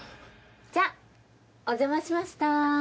じゃお邪魔しました。